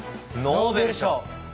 ノーベル賞！